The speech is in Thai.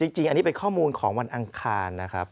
จริงอันนี้เป็นข้อมูลของวันอังคารนะครับ